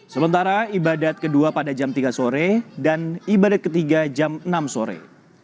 sementara ibadat kedua pada jam tiga sore dan ibadat ketiga jam enam sore